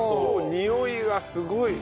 においがすごい。